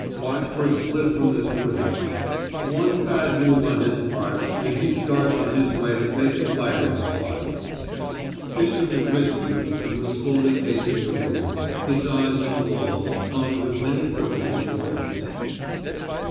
Watch for a slip from this Woodhouse. One bad move on his part, and he starts on his way to face a firing squad." Bishop had risen and was slowly pacing the room, his eyes on the walls, hung with many portraits in oils.